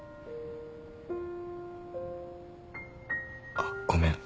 あっごめん。